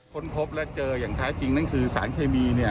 ค้นพบและเจออย่างแท้จริงนั่นคือสารเคมี